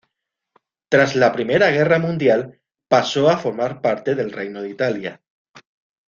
Tras la Primera Guerra Mundial pasó a formar parte del Reino de Italia.